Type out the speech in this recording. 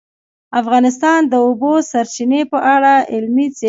افغانستان د د اوبو سرچینې په اړه علمي څېړنې لري.